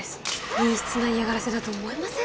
陰湿な嫌がらせだと思いません？